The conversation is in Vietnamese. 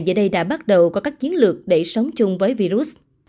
giờ đây đã bắt đầu có các chiến lược để sống chung với virus